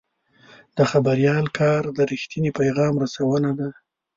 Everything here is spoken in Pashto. د خبریال کار د رښتیني پیغام رسونه ده.